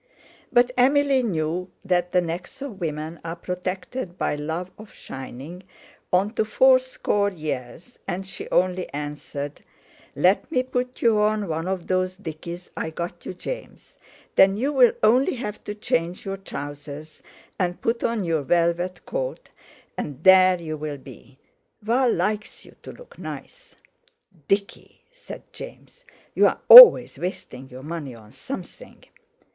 But Emily knew that the necks of women are protected by love of shining, unto fourscore years, and she only answered: "Let me put you on one of those dickies I got you, James; then you'll only have to change your trousers, and put on your velvet coat, and there you'll be. Val likes you to look nice." "Dicky!" said James. "You're always wasting your money on something."